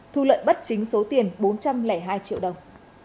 thu lợi bất chính số tiền bốn trăm linh hai triệu đồng